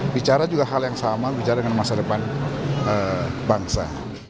bicara juga hal yang sama bicara dengan masa depan bangsa